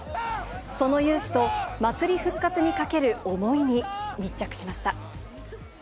その雄姿と、祭り復活にかける思いに密着しました。